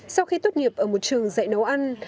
sau khi tốt nghiệp ở một trường dạy nấu ăn